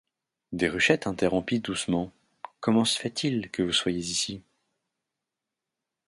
Déruchette interrompit doucement: — Comment se fait-il que vous soyez ici?